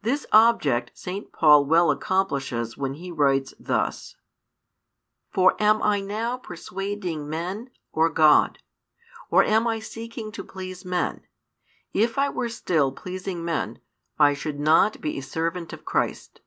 This object St. Paul well accomplishes when he writes thus: For am I now persuading mien, or God? or am I seeking to please men? If I were still pleasing men, I should not be a servant of Christ.